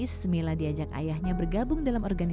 jadi apapun yang dia lakukan